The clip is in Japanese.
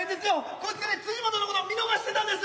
こいつがね辻本のこと見逃してたんです！